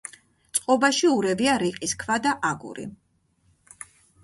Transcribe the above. წყობაში ურევია რიყის ქვა და აგური.